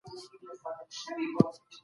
حکومتونه کله نړیوالي شخړي پای ته رسوي؟